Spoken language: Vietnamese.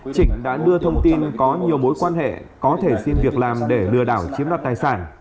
trịnh đã đưa thông tin có nhiều mối quan hệ có thể xin việc làm để lừa đảo chiếm đoạt tài sản